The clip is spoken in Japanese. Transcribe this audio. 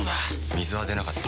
水は出なかった。